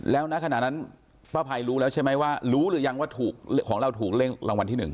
แล้วณขณะนั้นป้าภัยรู้แล้วใช่ไหมว่ารู้หรือยังว่าถูกของเราถูกเลขรางวัลที่๑